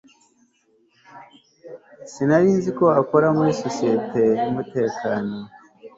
Sinari nzi ko wakoraga muri societe yumutekano